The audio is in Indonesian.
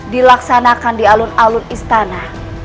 dilaksanakan di alun alun istana